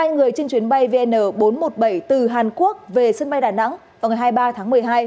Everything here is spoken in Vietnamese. một mươi người trên chuyến bay vn bốn trăm một mươi bảy từ hàn quốc về sân bay đà nẵng vào ngày hai mươi ba tháng một mươi hai